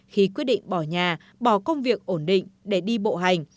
khi quyết định bỏ nhà bỏ công việc ổn định để đi bộ hành